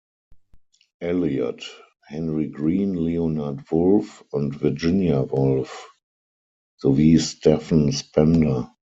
Eliot, Henry Green, Leonard Woolf und Virginia Woolf sowie Stephen Spender.